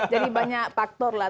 jadi banyak faktor lah